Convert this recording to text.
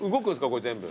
これ全部。